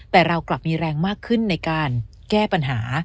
แต่เรากลับมีแรงมากขึ้นในการแก้ปัญหา